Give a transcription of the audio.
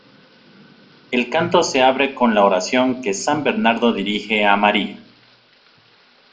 El canto se abre con la oración que san Bernardo dirige a María.